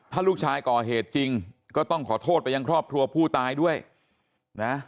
ถ้าลูกชายก่อเหตุจริงก็ต้องขอโทษไปยังครอบครัวผู้ตายด้วยนะ